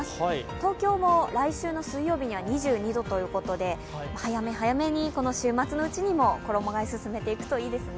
東京も来週の水曜日には２２度ということで、早め早めにこの週末のうちにも衣がえ進めていくといいですね。